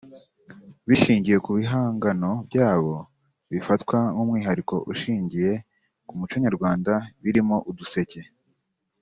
bishingiye ku bihangano byabo bifatwa nk’umwihariko ushingiye ku muco nyarwanda birimo uduseke